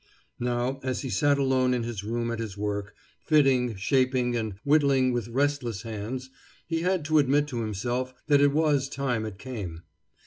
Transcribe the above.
Now, as he sat alone in his room at his work, fitting, shaping, and whittling with restless hands, he had to admit to himself that it was time it came.